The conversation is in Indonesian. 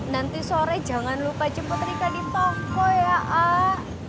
nanti sore jangan lupa jemput rika di toko ya a